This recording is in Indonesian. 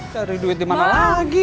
cari duit dimana lagi